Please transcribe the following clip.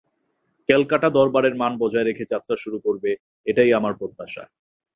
ক্যালকাটা দরবারের মান বজায় রেখে যাত্রা শুরু করবে, এটাই আমার প্রত্যাশা।